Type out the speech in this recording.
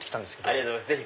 ありがとうございます。